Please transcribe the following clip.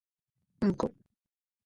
うんこ